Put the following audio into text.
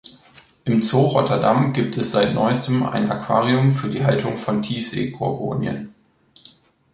Im Zoo Rotterdam gibt es seit neuestem ein Aquarium für die Haltung von Tiefsee-Gorgonien.